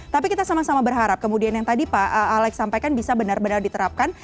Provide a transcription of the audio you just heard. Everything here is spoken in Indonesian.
tapi kita sama sama berharap kemudian yang tadi pak alex sampaikan bisa benar benar diterapkan